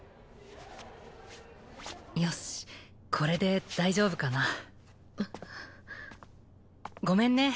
よしこれで大丈夫かなごめんね